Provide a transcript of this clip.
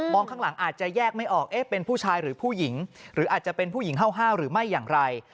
ข้างหลังอาจจะแยกไม่ออกเอ๊ะเป็นผู้ชายหรือผู้หญิงหรืออาจจะเป็นผู้หญิงห้าวหรือไม่อย่างไร